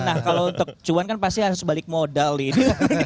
nah kalau untuk cuan kan pasti harus balik modal ini